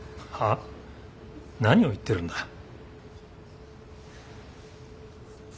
は？何を言ってるんだ。